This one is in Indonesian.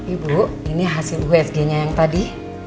ibu ini hasil wfg nya yang tadi